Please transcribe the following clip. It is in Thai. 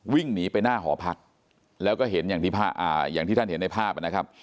วิ่งหนีไปหน้าหอพักแล้วก็เห็นอย่างที่ท่านเห็นในภาพนะครับ